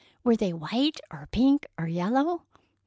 Were they white or pink or yellow?